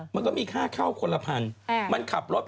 เอาไข่อีหอมก่อนแม่ฉันย้ายด่าได้